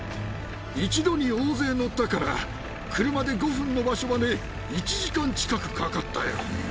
一度に大勢乗ったから、車で５分の場所まで１時間近くかかったよ。